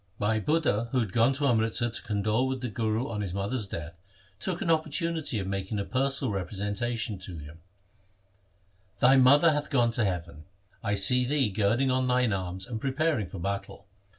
Bhai Budha who had gone to Amritsar to condole with the Guru on his mother's death, took an op portunity of making a personal representation to him, ' Thy mother hath gone to heaven. I see thee girding on thine arms and preparing for battle.